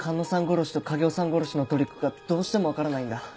殺しと影尾さん殺しのトリックがどうしても分からないんだ。